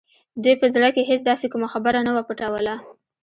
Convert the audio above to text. دوی به په زړه کې هېڅ داسې کومه خبره نه وه پټوله